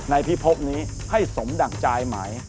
พิพบนี้ให้สมดั่งใจหมาย